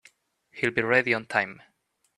He'll be ready on time.